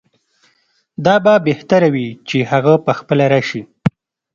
دا به بهتره وي چې هغه پخپله راشي.